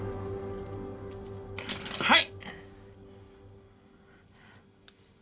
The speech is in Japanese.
はい！